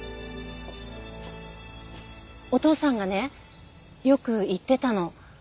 お父さんがねよく言ってたの。